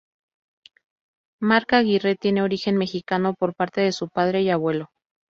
Mark Aguirre tiene origen mexicano por parte de su padre y abuelo.